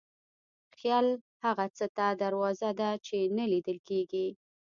خیال هغه څه ته دروازه ده چې نه لیدل کېږي.